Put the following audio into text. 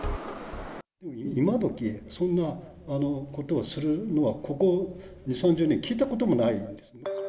今時、そんなことはするのは、ここ２、３０年、聞いたこともないです。